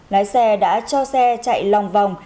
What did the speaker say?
lái xe đã cho xe chạy lòng vòng